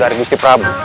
dari gusti prabu